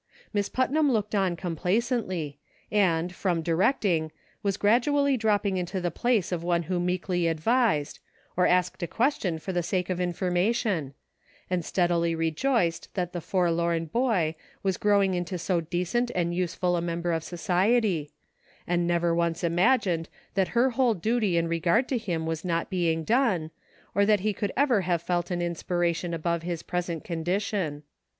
Miss Putnam looked on com placently, and, from directing, was gradually drop pmg into the place of one who meekly advised, or asked a question for the sake of information ; and steadily rejoiced that the forlorn boy was growing into so decent and useful a member of society ; and never once imagined that her whole duty in regard to him was not being done, or that he could ever have felt an aspiration above his present condition.